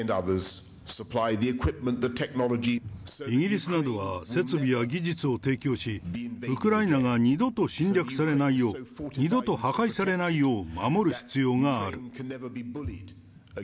イギリスなどは、設備や技術を提供し、ウクライナが二度と侵略されないよう、二度と破壊されないよう、守る必要がある。